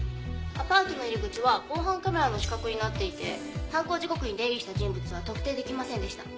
アパートの入り口は防犯カメラの死角になっていて犯行時刻に出入りした人物は特定できませんでした。